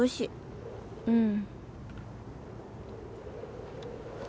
うん。